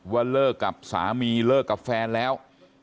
ว่าเลิกกับสามีเลิกกับแฟนแล้ว